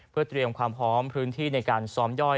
เพื่อเตรียมความพร้อมพื้นที่ในการซ้อมย่อย